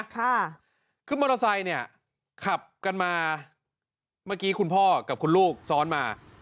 ค่ะคือมอเตอร์ไซค์เนี่ยขับกันมาเมื่อกี้คุณพ่อกับคุณลูกซ้อนมา